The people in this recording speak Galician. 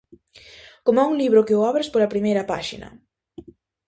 Coma un libro que o abres pola primeira páxina.